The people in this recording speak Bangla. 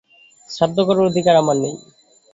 শ্রাদ্ধ করবার অধিকার আমার নেই?